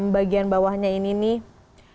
bagian bawahnya ini nih